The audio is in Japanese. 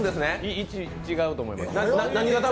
１、違うと思います。